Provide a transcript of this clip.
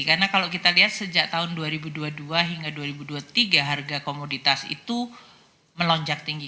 karena kalau kita lihat sejak tahun dua ribu dua puluh dua hingga dua ribu dua puluh tiga harga komoditas itu melonjak tinggi